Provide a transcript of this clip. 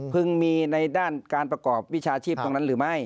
มีในด้านการประกอบวิชาชีพตรงนั้นหรือไม่